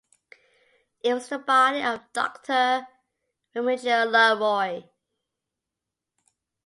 It was the body of Doctor Remigio Leroy.